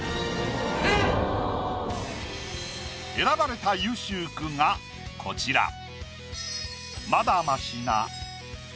選ばれた優秀句がこちら。